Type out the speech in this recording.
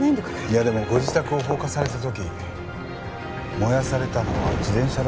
いやでもご自宅を放火された時燃やされたのは自転車だったんですよね？